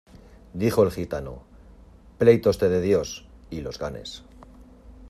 Dijo el gitano, pleitos te dé Dios, y los ganes.